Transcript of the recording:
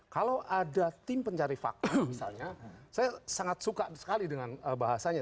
kalau ada tim pencari fakta misalnya saya sangat suka sekali dengan bahasanya